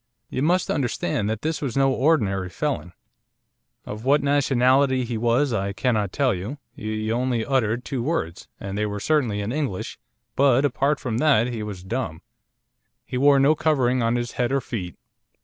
You must understand that this was no ordinary felon. Of what nationality he was I cannot tell you. He only uttered two words, and they were certainly in English, but apart from that he was dumb. He wore no covering on his head or feet.